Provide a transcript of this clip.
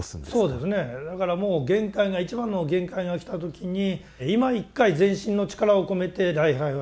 そうですねだからもう限界が一番の限界がきた時にいま一回全身の力を込めて礼拝をしよう。